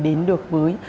đến được với